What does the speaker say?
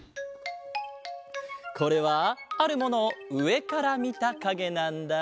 これはあるものをうえからみたかげなんだ。